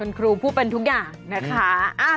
คุณครูพูดเป็นทุกอย่างนะคะ